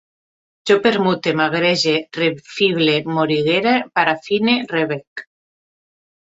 Jo permute, magrege, refible, morigere, parafine, rebec